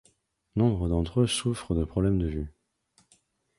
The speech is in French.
Nombre d'entre eux souffrent de problèmes de vue.